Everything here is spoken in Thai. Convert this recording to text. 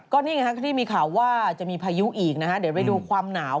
ก็นี่ไงที่มีข่าวว่าจะมีพายุอีกนะฮะเดี๋ยวไปดูความหนาว